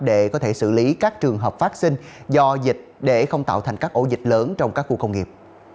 để có thể xử lý các trường hợp phát sinh do dịch để không tạo thành các ổ dịch lớn trong các khu công nghiệp